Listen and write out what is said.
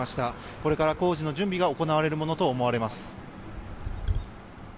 これから工事の準備が行われるものと思われます。